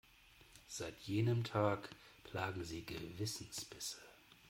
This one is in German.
Seit jenem Tag plagen sie Gewissensbisse.